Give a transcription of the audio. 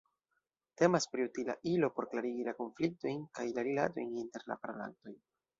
Temas pri utila ilo por klarigi la konfliktojn kaj la rilatojn inter la parolantoj.